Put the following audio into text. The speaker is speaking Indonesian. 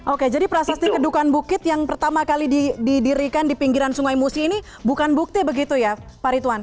oke jadi prasasti kedukan bukit yang pertama kali didirikan di pinggiran sungai musi ini bukan bukti begitu ya pak ritwan